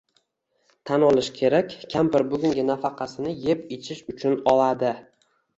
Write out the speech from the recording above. Tan olish kerak, kampir bugungi nafaqasini "yeb -ichish" uchun oladi